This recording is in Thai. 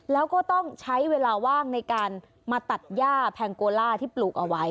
แล้วก็ต้องใช้เวลาว่างในการมาตัดย่าแพงโกล่าที่ปลูกเอาไว้